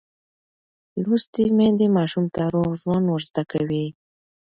لوستې میندې ماشوم ته روغ ژوند ورزده کوي.